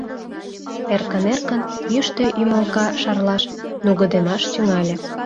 эркын-эркын йӱштӧ ӱмылка шарлаш, нугыдемаш тӱҥале;